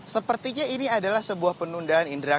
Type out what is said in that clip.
sepertinya ini adalah sebuah penundaan indra